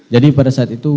jadi pada saat itu